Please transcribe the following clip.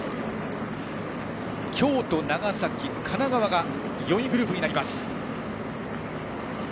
京都、長崎、神奈川が４位グループになります。